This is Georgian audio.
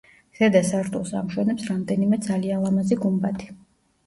ზედა სართულს ამშვენებს რამდენიმე ძალიან ლამაზი გუმბათი.